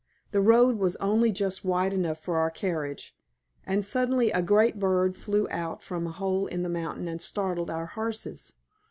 The road was only just wide enough for our carriage, and suddenly a great bird flew out from a hole in the mountain and startled our horses.